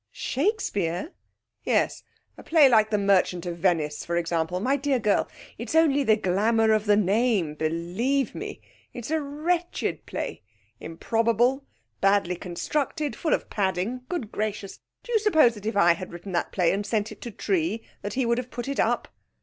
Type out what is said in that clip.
'Shakespeare?' 'Yes. A play like The Merchant of Venice, for example. My dear girl, it's only the glamour of the name, believe me! It's a wretched play, improbable, badly constructed, full of padding good gracious! do you suppose that if I had written that play and sent it to Tree, that he would have put it up?'